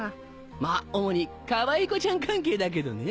まぁ主にかわい子ちゃん関係だけどね。